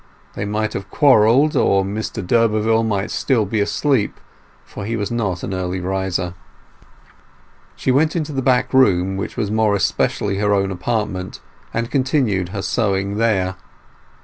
They might have quarrelled, or Mr d'Urberville might still be asleep, for he was not an early riser. She went into the back room, which was more especially her own apartment, and continued her sewing there.